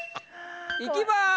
いきます。